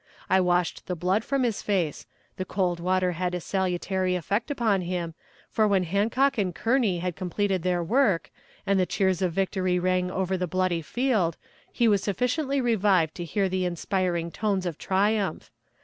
I washed the blood from his face; the cold water had a salutary effect upon him, for when Hancock and Kearney had completed their work, and the cheers of victory rang over the bloody field, he was sufficiently revived to hear the inspiring tones of triumph.